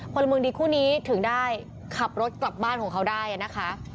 พลเมืองดีคู่นี้ถึงได้ขับรถกลับบ้านของเขาได้นะคะ